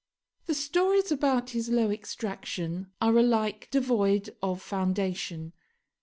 The stories about his low extraction are alike devoid of foundation.